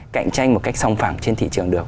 cạnh tranh một cách song phẳng trên thị trường được